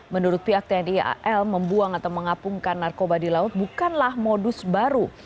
menurut pihak tni al membuang atau mengapungkan narkoba di laut bukanlah modus baru